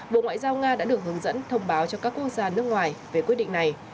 bộ ngoại giao nga đã được hướng dẫn thông báo cho các quốc gia nước ngoài về quyết định này